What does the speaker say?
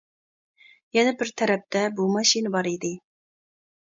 يەنە بىر تەرەپتە بۇ ماشىنا بار ئىدى.